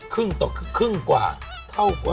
ครึ่งต่อครึ่งกว่าเท่ากว่า